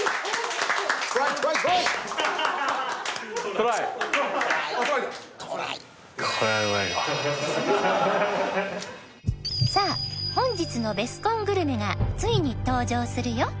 トライトライさあ本日のベスコングルメがついに登場するよ